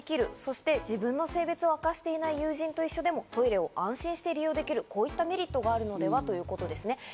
そして自分の性別を明かしていない友人と一緒でもトイレを安心して利用できる、こういったメリットがあるのではということですね。